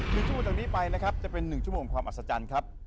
คือชั่วตรงนี้ไปนะครับจะเป็น๑ชั่วโมงความอัศจรรย์ครับ